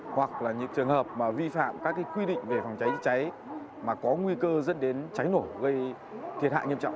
hoặc là những trường hợp vi phạm các quy định về phòng cháy chữa cháy mà có nguy cơ dẫn đến cháy nổ gây thiệt hại nghiêm trọng